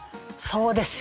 そうです。